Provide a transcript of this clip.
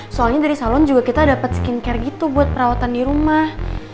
soalnya dari salon juga kita dapat skincare gitu buat perawatan di rumah